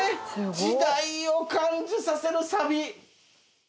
時代を感じさせるサビ。